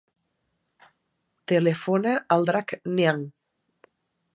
Telefona al Drac Niang.